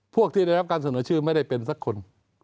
ที่ได้รับการเสนอชื่อไม่ได้เป็นสักคน